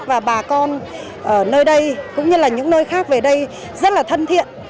và bà con ở nơi đây cũng như là những nơi khác về đây rất là thân thiện